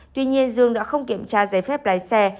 tuy nhiên dương đã không kiểm tra giấy phép lái xe